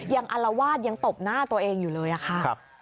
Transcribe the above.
อลวาดยังตบหน้าตัวเองอยู่เลยอะค่ะ